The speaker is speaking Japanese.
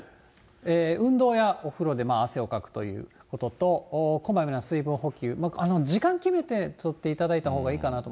運動やお風呂で汗をかくということと、こまめな水分補給、時間決めてとっていただいたほうがいいかなと。